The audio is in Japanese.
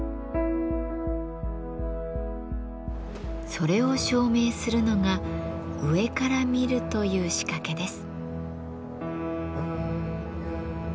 それを証明するのが「上から見る」という仕掛けです。